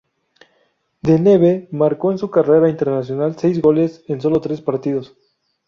De Neve marcó en su carrera internacional seis goles en sólo tres partidos.